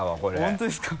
本当ですか？